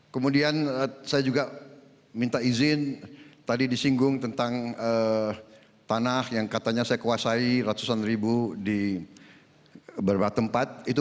kemudian saya juga minta izin tadi disinggung tentang tanah yang katanya saya kuasai ratusan ribu di beberapa tempat